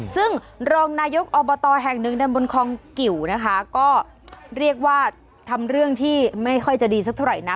ซึ่งรองนายกอบตแห่งหนึ่งดำบนคองกิวนะคะก็เรียกว่าทำเรื่องที่ไม่ค่อยจะดีสักเท่าไหร่นะ